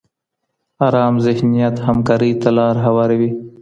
ارام ذهنیت همکارۍ ته لاره هواروي.